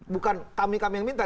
bukan kami kami yang minta